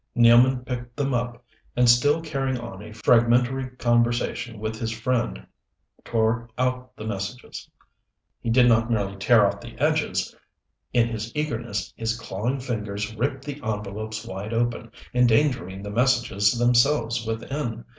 Nealman picked them up, and still carrying on a fragmentary conversation with his friend, tore out the messages. He did not merely tear off the edges. In his eagerness his clawing fingers ripped the envelopes wide open, endangering the messages themselves within.